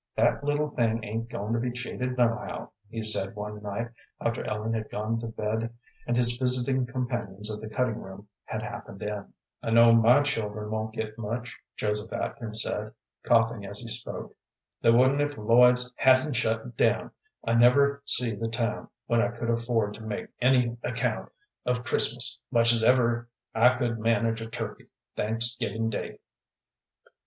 "That little thing ain't goin' to be cheated nohow," he said one night after Ellen had gone to bed and his visiting companions of the cutting room had happened in. "I know my children won't get much," Joseph Atkins said, coughing as he spoke; "they wouldn't if Lloyd's hadn't shut down. I never see the time when I could afford to make any account of Christmas, much as ever I could manage a turkey Thanksgiving day."